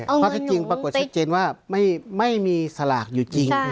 ข้อเท็จจริงปรากฏชัดเจนว่าไม่มีสลากอยู่จริง